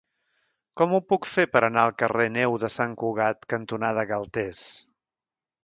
Com ho puc fer per anar al carrer Neu de Sant Cugat cantonada Galtés?